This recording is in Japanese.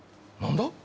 何だ？